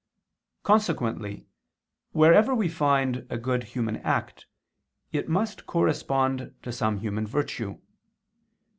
Consequently wherever we find a good human act, it must correspond to some human virtue.